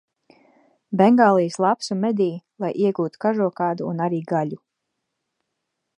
Bengālijas lapsu medī, lai iegūtu kažokādu un arī gaļu.